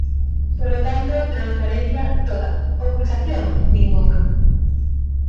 Polo tanto, transparencia toda; ocultación, ningunha.